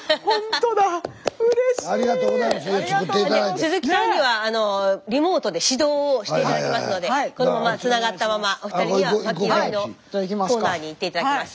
鈴木さんにはリモートで指導をして頂きますのでこのままつながったままお二人にはまき割りのコーナーに行って頂きます。